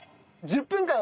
１０分間。